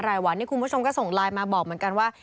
รายวันนี้คุณผู้ชมก็ส่งไลน์มาบอกเหมือนกันว่า